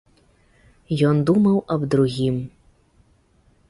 Ён думаў аб другім.